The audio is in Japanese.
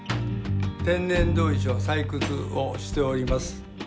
天然砥石を採掘をしております。